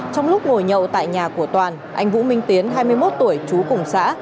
trong lúc ngồi nhậu tại nhà của toàn anh vũ minh tiến hai mươi một tuổi trú cùng xã